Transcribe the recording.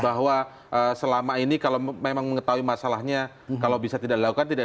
bahwa selama ini kalau memang mengetahui masalahnya kalau bisa tidak dilakukan tidak